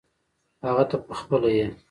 هغه ته پخپله یې .